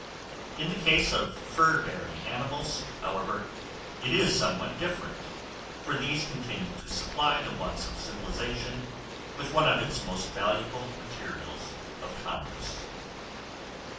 In the case of fur bearing animals, however, it is somewhat different; for these continue to supply the wants of civilization with one of its most valuable materials of commerce.